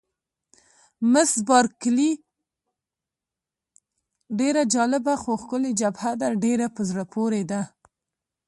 مس بارکلي: ډېره جالبه، خو ښکلې جبهه ده، ډېره په زړه پورې ده.